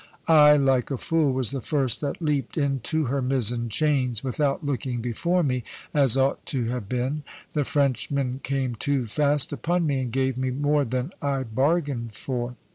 I, like a fool, was the first that leaped into her mizen chains, without looking before me, as ought to have been. The Frenchmen came too fast upon me, and gave me more than I bargained for.